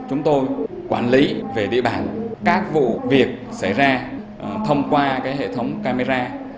chúng tôi quản lý về địa bàn các vụ việc xảy ra thông qua hệ thống camera